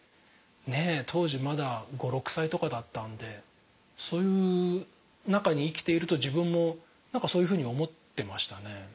ねえ当時まだ５６歳とかだったんでそういう中に生きていると自分も何かそういうふうに思ってましたね。